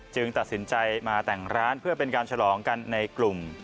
ตัดสินใจมาแต่งร้านเพื่อเป็นการฉลองกันในกลุ่ม